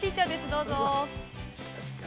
どうぞ。